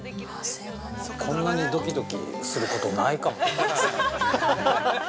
◆こんなにドキドキすることないかも。